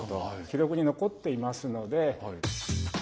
記録に残っていますので。